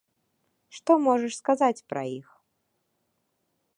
Што можаш сказаць пра іх?